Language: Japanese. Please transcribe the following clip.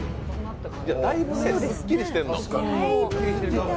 だいぶすっきりしてんの。